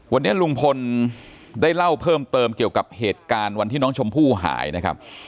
วันนี้ลุงพลได้เล่าเพิ่มเติมเกี่ยวกับเหตุการณ์วันที่น้องชมพู่หายนะครับ